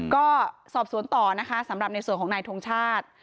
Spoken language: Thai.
ก็สอบสวนต่อนะคะสำหรับในส่วนของนายทงชาติ